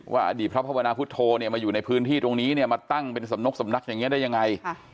ว่าอดีตพระพบนาพุทธโทมาอยู่ในพื้นที่ตรงนี้มาตั้งเป็นสำนกสำนักอย่างนี้ได้ยังไง